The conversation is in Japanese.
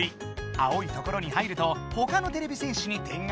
青いところに入るとほかのてれび戦士に点が入るぞ。